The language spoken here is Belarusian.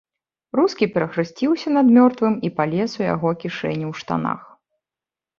Рускі перахрысціўся над мёртвым і палез у яго кішэню ў штанах.